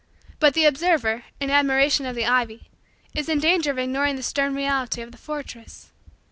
But the observer, in admiration of the ivy, is in danger of ignoring the stern reality of the fortress.